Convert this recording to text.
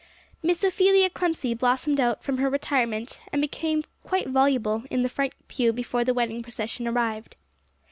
Miss Ophelia Clemcy blossomed out from her retirement, and became quite voluble, in the front pew before the wedding procession arrived.